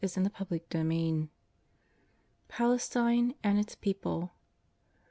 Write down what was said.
HK THE PUBLIC LIFE XIV. PALESTINE AND ITS PEOPLE.